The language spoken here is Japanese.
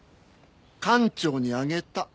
館長にあげた。